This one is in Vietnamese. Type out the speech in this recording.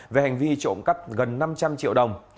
về hành vi trộm cắt gần năm trăm linh triệu đồng